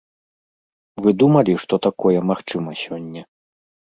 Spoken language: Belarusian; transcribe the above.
Вы думалі, што такое магчыма сёння?